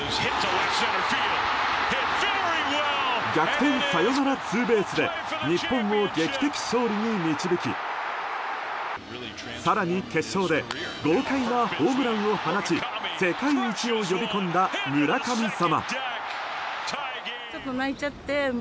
逆転サヨナラツーベースで日本を劇的勝利に導き更に決勝で豪快なホームランを放ち世界一を呼び込んだ村神様。